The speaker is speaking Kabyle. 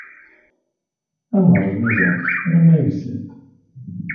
Ad neṛju da arma yusa-d.